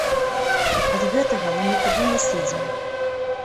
Ад гэтага мы нікуды не сыдзем.